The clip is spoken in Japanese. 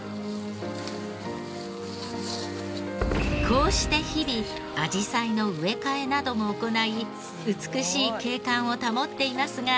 こうして日々あじさいの植え替えなども行い美しい景観を保っていますが。